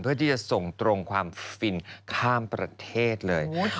เพื่อที่จะส่งตรงความฟินข้ามประเทศเลย